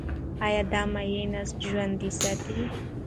ایا دا مایع نسج ژوندی ساتي؟